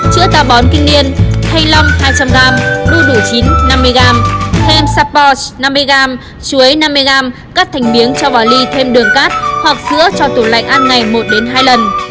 chữa tà bón kinh niên thanh long hai trăm linh g đu đủ chín năm mươi g thêm sàp bò ch năm mươi g chuối năm mươi g cắt thành miếng cho vào ly thêm đường cát hoặc sữa cho tủ lạnh ăn ngày một hai lần